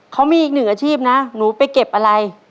เขามีอีกหนึ่งอาชีพนะหนูไปเก็บอะไร